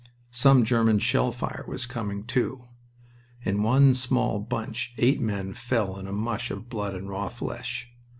Some German shell fire was coming, too. In one small bunch eight men fell in a mush of blood and raw flesh.